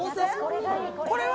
これは？